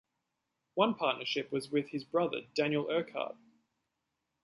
One partnership was with his brother Daniel Urquhart.